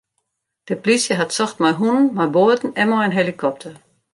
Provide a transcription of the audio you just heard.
De plysje hat socht mei hûnen, mei boaten en mei in helikopter.